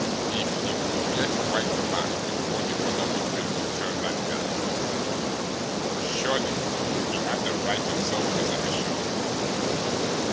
If he could get Whitey Mack before the other was ready to tell Lannigan! Surely he had the right of self preservation!